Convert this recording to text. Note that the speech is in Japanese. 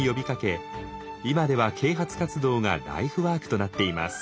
今では啓発活動がライフワークとなっています。